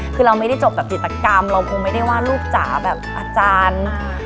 คือเราไม่ได้จบแบบจิตกรรมเราคงไม่ได้ว่าลูกจ๋าแบบอาจารย์